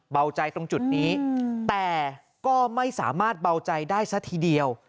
เบาใจตรงจุดนี้แต่ก็ไม่สามารถเบาใจได้ซะทีเดียว